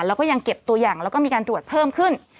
แล้วก็ยังเก็บตัวอย่างแล้วก็มีการตรวจเพิ่มขึ้น